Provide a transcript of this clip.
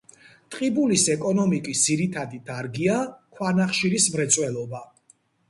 ტყიბულის ეკონომიკის ძირითადი დარგია ქვანახშირის მრეწველობა.